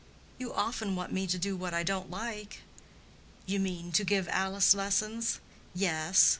"You often want me to do what I don't like." "You mean, to give Alice lessons?" "Yes.